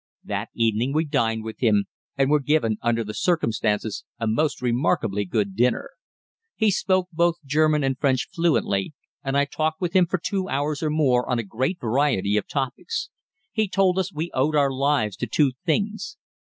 That evening we dined with him, and were given under the circumstances a most remarkably good dinner. He spoke both German and French fluently, and I talked with him for two hours or more on a great variety of topics. He told us we owed our lives to two things.